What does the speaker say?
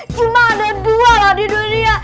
cuma ada dua lah di dunia